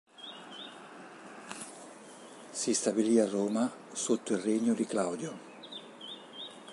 Si stabilì a Roma sotto il regno di Claudio.